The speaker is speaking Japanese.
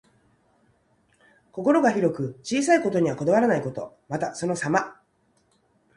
心が広く、小さいことにはこだわらないこと。また、そのさま。